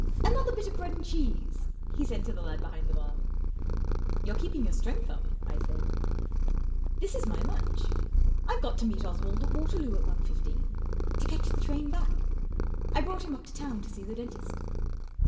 Another bit of bread and cheese," he said to the lad behind the bar. 44 You're keeping your strength up," I said. 44 This is my lunch. I've got to meet Oswald at Waterloo at one fifteen, to catch the train back. I brought him up to town to see the dentist."